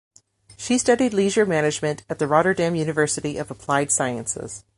She studied leisure management at the Rotterdam University of Applied Sciences.